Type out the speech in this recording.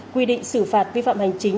quy định xử phạt vi phạm hành chính